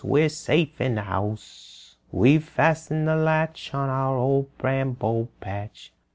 We're safe in the house; "We've fastened the latch On our Old Bramble Patch!"